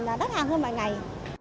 là đắt hàng hơn mọi ngày